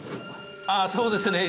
ああそうですね。